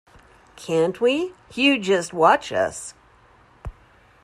Can't we? You just watch us.